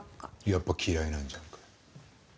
やっぱ嫌いなんじゃんか。